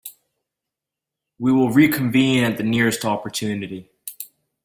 We will reconvene at the nearest opportunity.